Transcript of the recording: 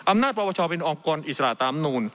อำนาจปรบชเป็นองค์กรอิสระตามนู้น